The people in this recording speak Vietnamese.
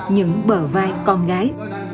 những bờ vai con gái